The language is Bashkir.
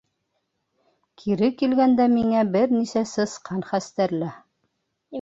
Кире килгәндә миңә бер нисә сысҡан хәстәрлә.